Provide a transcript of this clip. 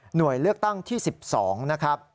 หน่วยเลือกตั้งที่๑๒นะครับ